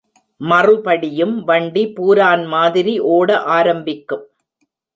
மறுபடியும் வண்டி பூரான் மாதிரி ஓட ஆரம்பிக்கும்.